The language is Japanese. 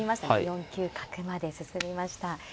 ４九角まで進みました。